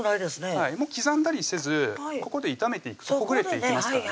はい刻んだりせずここで炒めていくとほぐれていきますからね